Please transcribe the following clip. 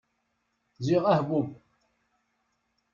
Ziɣ ahbub!